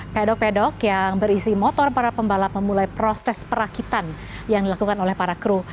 pedok pedok yang berisi motor para pembalap memulai proses perakitan yang dilakukan oleh para kru